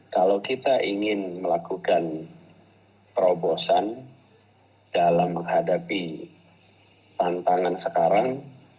kalau kita ingin melakukan terobosan dalam menghadapi tantangan sekarang